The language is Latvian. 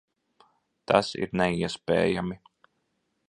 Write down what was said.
Tas ir neiespējami!